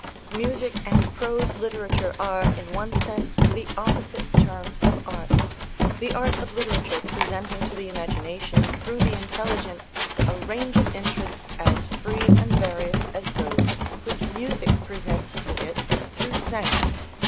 Music and prose literature are, in one sense, the opposite terms of art; the art of literature presenting to the imagination, through the intelligence, a range of interests, as free and various as those which music presents to it through sense.